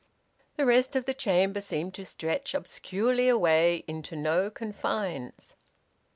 The rest of the chamber seemed to stretch obscurely away into no confines.